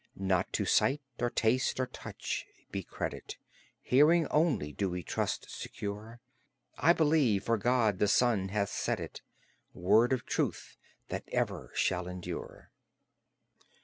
Not to sight, or taste, or touch be credit. Hearing only do we trust secure; I believe, for God the Son hath said it Word of truth that ever shall endure.